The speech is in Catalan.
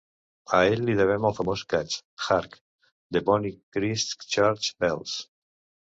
A ell li devem el famós "catch" "Hark, the bonny Christ Church bells".